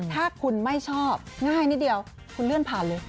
ถ้าคุณไม่ชอบง่ายนิดเดียวคุณเลื่อนผ่านเลย